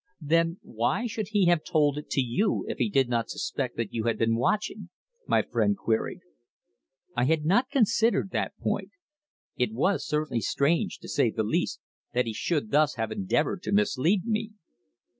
"Then why should he have told it to you if he did not suspect that you had been watching?" my friend queried. I had not considered that point. It was certainly strange, to say the least, that he should thus have endeavoured to mislead me.